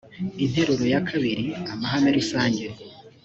interuro ya ii amahame rusange